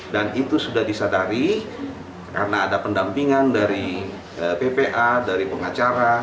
dan itu sudah disadari karena ada pendampingan dari ppa dari pengacara